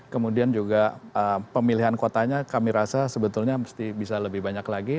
kemudian juga pemilihan kotanya kami rasa sebetulnya mesti bisa lebih banyak lagi